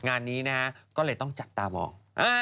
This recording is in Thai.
งานนี้นะฮะก็เลยต้องจับตามอง